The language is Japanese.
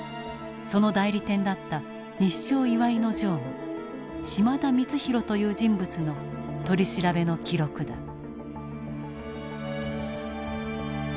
その代理店だった日商岩井の常務島田三敬という人物の取り調べの記録だ。